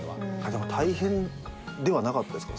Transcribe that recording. でも大変ではなかったですか？